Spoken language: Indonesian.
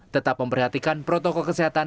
tetap memperhatikan protokol kesehatan